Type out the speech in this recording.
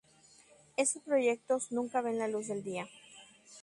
Estos proyectos nunca ven la luz del día.